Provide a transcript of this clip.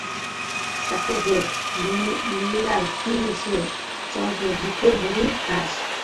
চকোর হে, মিলাল, কি সে চন্দ্র মুখের মধুর হাস?